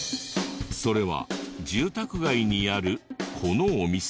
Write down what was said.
それは住宅街にあるこのお店。